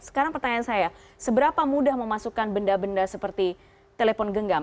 sekarang pertanyaan saya seberapa mudah memasukkan benda benda seperti telepon genggam